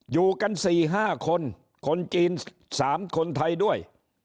อยู่กัน๔๕คนคนจีน๓คนไทยด้วย